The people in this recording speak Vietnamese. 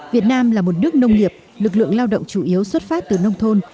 việt nam là một nước nông nghiệp lực lượng lao động chủ yếu xuất phát từ nông thôn